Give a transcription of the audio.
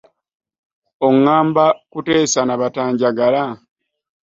Oŋŋamba kuteesa na batanjagala!